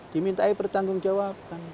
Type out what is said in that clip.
dimintai pertanggung jawaban